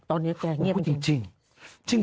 ตอนนี้แกเงียบจริง